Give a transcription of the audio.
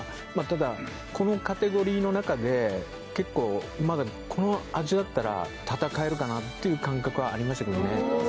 ただこのカテゴリーの中で結構まだこの味だったら戦えるかなっていう感覚はありましたけどね